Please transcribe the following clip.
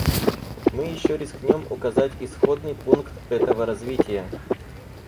Мы еще рискнем указать исходный пункт этого развития.